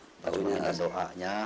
cuma minta doanya